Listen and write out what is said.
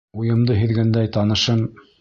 Уйымды һиҙгәндәй, танышым: